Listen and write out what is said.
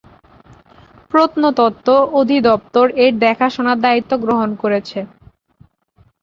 প্রত্নতত্ত্ব অধিদপ্তর এর দেখাশোনার দায়িত্ব গ্রহণ করেছে।